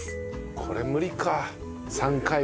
これ無理か。